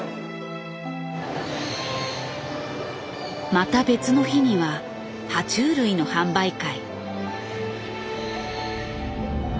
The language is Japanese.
また別の日には爬虫類の販売会。